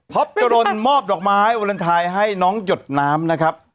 จรนมอบดอกไม้วาเลนไทยให้น้องหยดน้ำนะครับ